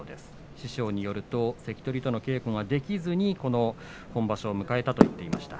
師匠によると関取との稽古ができずにこの本場所を迎えたということです。